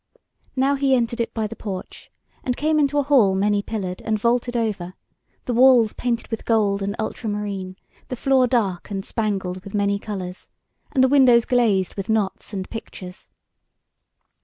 Now he entered it by the porch, and came into a hall many pillared, and vaulted over, the walls painted with gold and ultramarine, the floor dark, and spangled with many colours, and the windows glazed with knots and pictures.